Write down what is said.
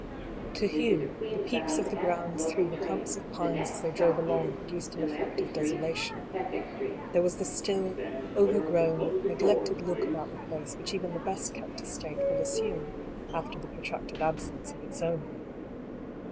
To Hugh, the peeps of the grounds through the clumps of pines as they drove along produced an effect of desolation. There was the still, overgrown, neglected look about the place which even the best kept estate will assume after the protracted absence of its owner.